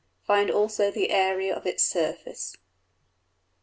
Find also the area of its surface.